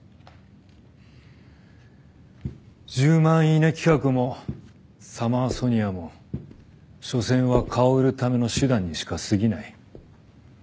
１０万イイネ企画もサマーソニアもしょせんは顔を売るための手段にしかすぎない。